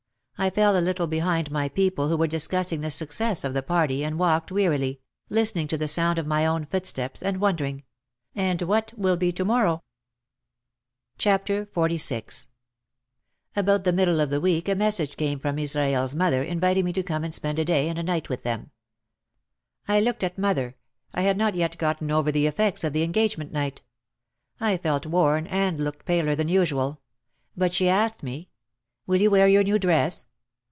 I fell a little behind my people who were discussing the success of the party, and walked wearily, listening to the sound of my own footsteps and wondering, "And what will be to morrow ?" OUT OF THE SHADOW 217 XLVI About the middle of the week a message came from Israel's mother inviting me to come and spend a day and a night with them. I looked at mother, I had not yet gotten over the effects of the engagement night. I felt worn and looked paler than usual. But she asked me, "Will you wear your new dress?"